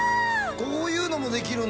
こういうのもできるんだ。